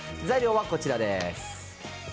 材料はこちらです。